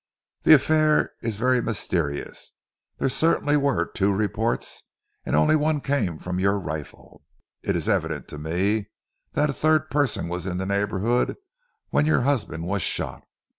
"The affair is very mysterious. There certainly were two reports and one only came from your rifle. It is evident to me that a third person was in the neighbourhood when your husband was shot.